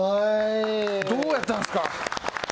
どうやったんすか？